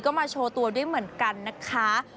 ก็มาโชว์ตัวด้วยเหมือนกันนะคะ